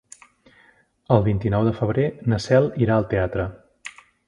El vint-i-nou de febrer na Cel irà al teatre.